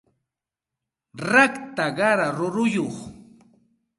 rakta qara ruruyuq